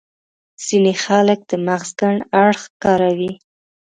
ځينې خلک د مغز کڼ اړخ کاروي.